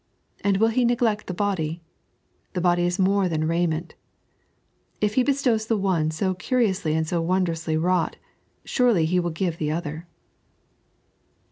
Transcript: And will He neglect the body! "The body is more than niiment." If He bestowH the one so curionsly ftod wondrously wrought, surely He will give the other.